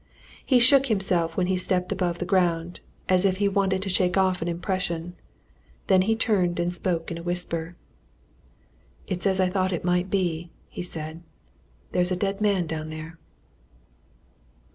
He shook himself when he stepped above ground, as if he wanted to shake off an impression: then he turned and spoke in a whisper. "It's as I thought it might be!" he said. "There's a dead man down there!"